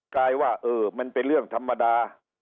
ลายว่าเออมันเป็นเรื่องธรรมดา